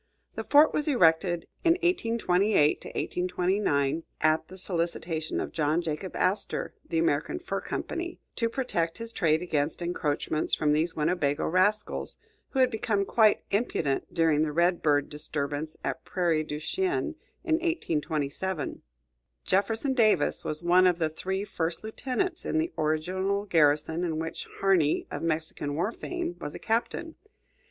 The fort was erected in 1828 29 at the solicitation of John Jacob Astor (the American Fur Company), to protect his trade against encroachments from these Winnebago rascals, who had become quite impudent during the Red Bird disturbance at Prairie du Chien, in 1827. Jefferson Davis was one of the three first lieutenants in the original garrison, in which Harney, of Mexican war fame, was a captain.